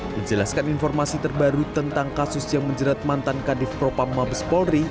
menjelaskan informasi terbaru tentang kasus yang menjerat mantan kadif propam mabes polri